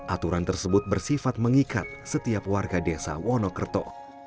aturan tersebut bersifat mengikat setiap warga desa wonokerto